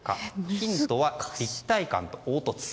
ヒントは、立体感と凹凸。